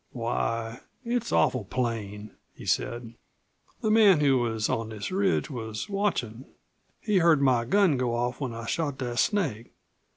"Why, it's awful plain," he said. "The man who was on this ridge was watchin'. He heard my gun go off, when I shot that snake.